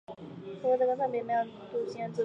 通过在钢材表面电镀锌而制成。